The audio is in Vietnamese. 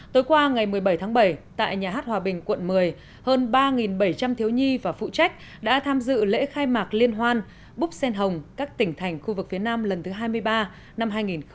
tối qua ngày một mươi bảy tháng bảy tại nhà hát hòa bình quận một mươi hơn ba bảy trăm linh thiếu nhi và phụ trách đã tham dự lễ khai mạc liên hoan búc xen hồng các tỉnh thành khu vực phía nam lần thứ hai mươi ba năm hai nghìn một mươi chín